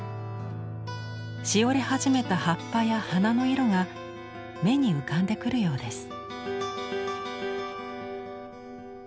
しおれ始めた葉っぱや花の色が目に浮かんでくるようです。